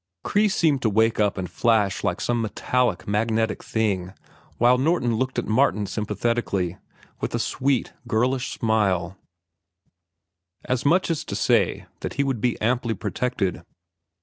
Kreis seemed to wake up and flash like some metallic, magnetic thing, while Norton looked at Martin sympathetically, with a sweet, girlish smile, as much as to say that he would be amply protected.